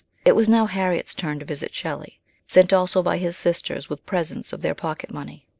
It was now Harriet's turn to visit Shelley, sent also by his sisters with presents of their pocket money.